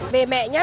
về mẹ nhé